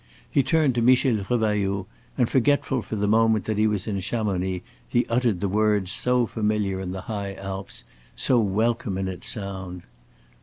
He turned to Michel Revailloud and forgetful for the moment that he was in Chamonix, he uttered the word so familiar in the High Alps, so welcome in its sound.